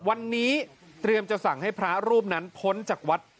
วันนี้เตรียมจะสั่งให้พระรูปนั้นพ้นจากวัด